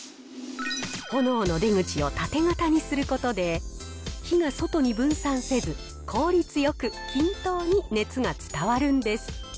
炎の出口を縦型にすることで、火が外に分散せず、効率よく均等に熱が伝わるんです。